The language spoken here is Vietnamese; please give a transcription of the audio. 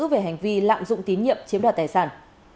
về hành vi lạm dụng tín nhiệm chiếm đoạt tài sản